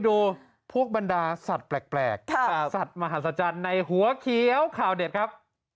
ดูพวกบรรดาสัตว์แปลกสัตว์มหัศจรรย์ในหัวเขียวข่าวเด็ดครับ